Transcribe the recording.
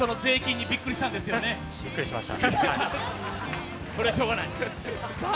びっくりしました。